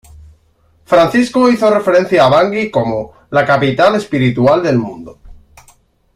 Francisco hizo referencia a Bangui como: "la capital espiritual del mundo".